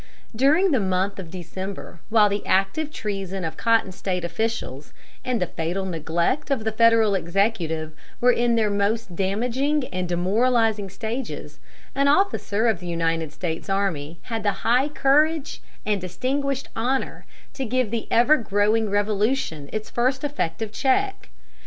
During the month of December, while the active treason of cotton State officials and the fatal neglect of the Federal executive were in their most damaging and demoralizing stages, an officer of the United States army had the high courage and distinguished honor to give the ever growing revolution its first effective check.